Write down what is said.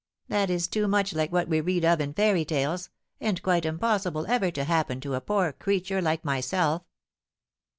That is too much like what we read of in fairy tales, and quite impossible ever to happen to a poor creature like myself."